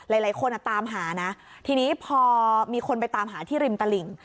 หลายหลายคนอ่ะตามหาน่ะทีนี้พอมีคนไปตามหาที่ริมตะหลิง